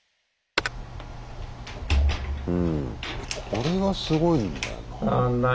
これがすごいんだよな。